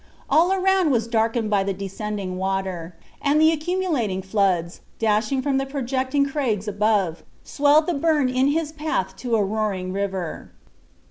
All around was darkened by the descending water; and the accumulating floods, dashing from the projecting craigs above, swelled the burn in his path to a roaring river.